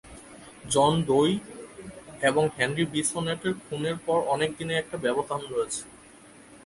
জন Doe এবং Henry বিসোনেটের খুনের পর অনেকদিনের একটা ব্যবধান রয়েছে।